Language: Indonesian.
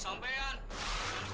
siapa yang boleh berposa